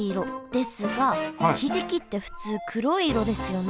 ですがひじきって普通黒い色ですよね？